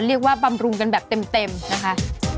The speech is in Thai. เรียกว่าบำรุงกันแบบเต็มนะคะ